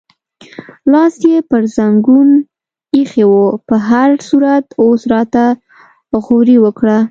لاس یې پر زنګون ایښی و، په هر صورت اوس راته غورې وکړه.